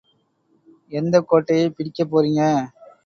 எந்தக் கோட்டையைப் பிடிக்கப் போறீங்க!